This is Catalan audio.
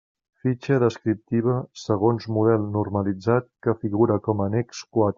Fitxa descriptiva, segons model normalitzat que figura com a annex quatre.